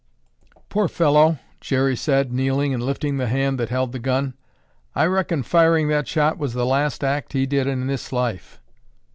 "Poor fellow," Jerry said, kneeling and lifting the hand that held the gun. "I reckon firing that shot was the last act he did in this life."